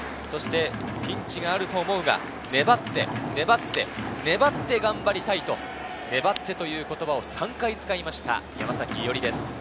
そしてピンチがあると思うが、粘って粘って粘って頑張りたいと粘ってという言葉を３回使いました、山崎伊織です。